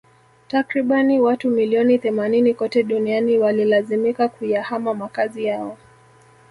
Takribani watu milioni themanini kote duniani walilazimika kuyahama makazi yao